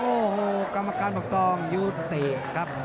โอ้โหกรรมการเต็มต้องอยู่เต็มครับ